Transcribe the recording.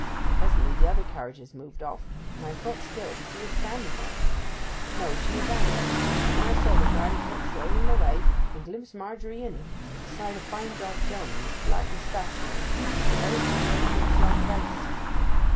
Presently the other carriages moved off, and I thought still to see her standing there. But no, she had vanished; and then I saw the grand coach rolling away, and glimpsed Margery in it, beside a fine dark gentleman with black mustachios, and a very pale prince like face.